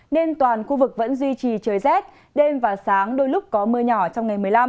nên toàn khu vực vẫn duy trì trời rét đêm và sáng đôi lúc có mưa nhỏ trong ngày một mươi năm